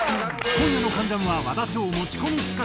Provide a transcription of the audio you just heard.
今夜の『関ジャム』は和田唱持ち込み企画。